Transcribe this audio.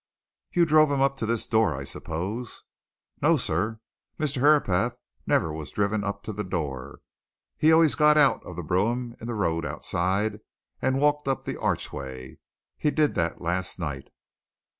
"You drove him up to this door, I suppose?" "No, sir. Mr. Herapath never was driven up to the door he always got out of the brougham in the road outside and walked up the archway. He did that last night."